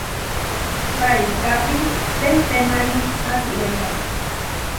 Paikápi tehtémari asirépa.